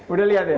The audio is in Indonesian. udah lihat ya